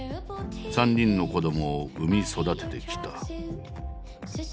３人の子どもを産み育ててきた。